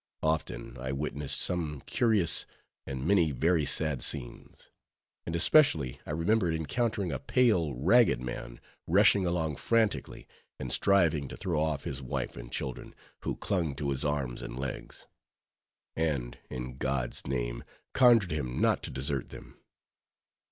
Often, I witnessed some curious, and many very sad scenes; and especially I remembered encountering a pale, ragged man, rushing along frantically, and striving to throw off his wife and children, who clung to his arms and legs; and, in God's name, conjured him not to desert them.